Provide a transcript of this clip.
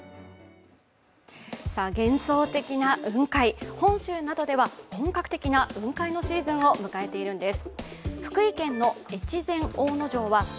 幻想的な雲海、本州などでは本格的な雲海のシーズンを迎えているんです。